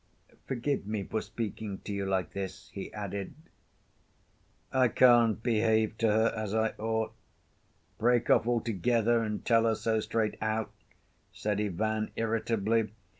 Forgive me for speaking to you like this," he added. "I can't behave to her as I ought—break off altogether and tell her so straight out," said Ivan, irritably.